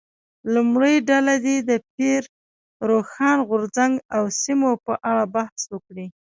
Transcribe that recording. لومړۍ ډله دې د پیر روښان غورځنګ او سیمو په اړه بحث وکړي.